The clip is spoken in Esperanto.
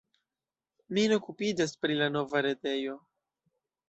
Mi ne okupiĝas pri la nova retejo.